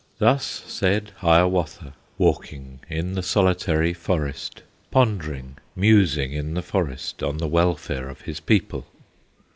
Thus said Hiawatha, walking In the solitary forest, Pondering, musing in the forest, On the welfare of his people.